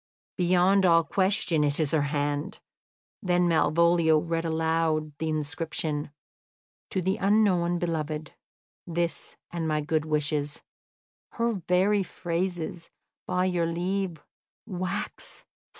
Beyond all question it is her hand." Then Malvolio read aloud the inscription: "'To the unknown beloved, this, and my good wishes.' Her very phrases! By your leave, wax.